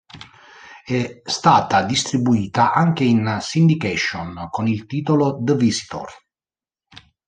È stata distribuita anche in syndication con il titolo "The Visitor".